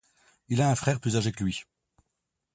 Il a un frère plus âgé que lui.